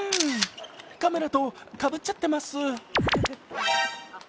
カメラとかぶっちゃってます。